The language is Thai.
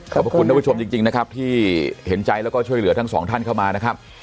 พระคุณท่านผู้ชมจริงนะครับที่เห็นใจแล้วก็ช่วยเหลือทั้งสองท่านเข้ามานะครับ